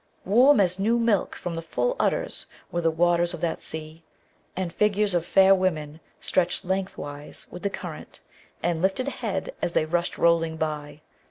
Warm as new milk from the full udders were the waters of that sea, and figures of fair women stretched lengthwise with the current, and lifted a head as they rushed rolling by.